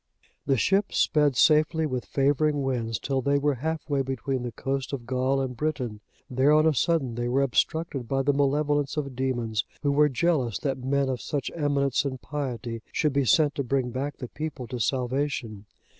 The ship sped safely with favouring winds till they were halfway between the coast of Gaul and Britain. There on a sudden they were obstructed by the malevolence of demons, who were jealous that men of such eminence and piety should be sent to bring back the people to salvation.